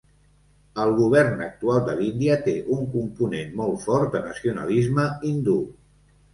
El govern actual de l’Índia té un component molt fort de nacionalisme hindú.